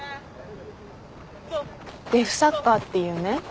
デフサッカーっていうね